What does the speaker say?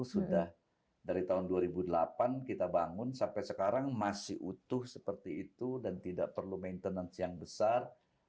sudah dari tahun dua ribu delapan kita bangun sampai sekarang masih utuh seperti itu dan tidak perlu maintenance yang besar